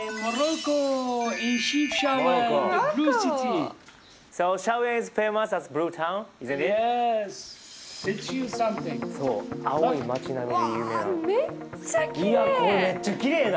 これめっちゃきれいやな。